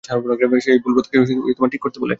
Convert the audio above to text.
সে এই ভুল প্রথাকে ঠিক করতে বলে।